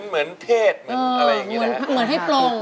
เหมือนให้พลง